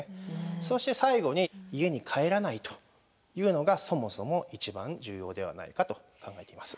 そして最後に「家に帰らない」というのがそもそも一番重要ではないかと考えています。